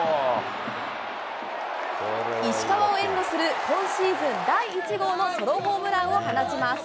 石川を援護する今シーズン第１号のソロホームランを放ちます。